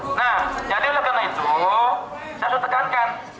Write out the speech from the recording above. nah jadi oleh karena itu saya sotekankan